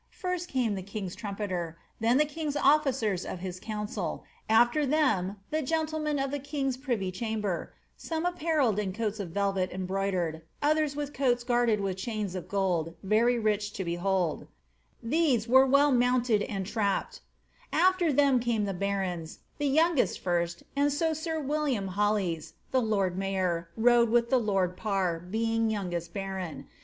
First came the king's trumpeter, then the king's officers of his council, after them the gentlemen of the king's privy chamber, some apparelled in coats of velvet embroidered, others had their coats guarded with chains of gold, very rich to behold ; these were well mounted and trapped ; after them came the barons, the youngest first, and so sir William Uollys, the lord mayor, rode with the lord Parr,' being youngest baron.